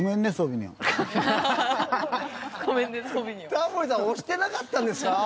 タモリさん押してなかったんですか？